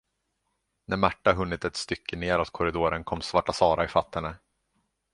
När Märta hunnit ett stycke neråt korridoren kom Svarta Sara ifatt henne.